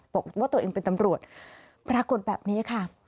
บอกว่าตัวเองเป็นตำรวจปรากฏแบบนี้ค่ะ